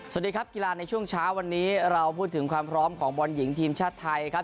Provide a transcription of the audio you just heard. สวัสดีครับกีฬาในช่วงเช้าวันนี้เราพูดถึงความพร้อมของบอลหญิงทีมชาติไทยครับ